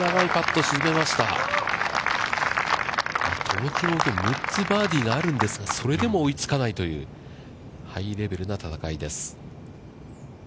トム・キムで６つバーディーがあるんですが、それでも追いつかないというハイレベルな戦いです。